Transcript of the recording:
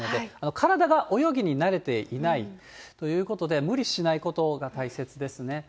体が泳ぎに慣れていないということで、無理しないことが大切ですね。